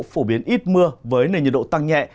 phổ biến ít mưa với nền nhiệt độ tăng nhẹ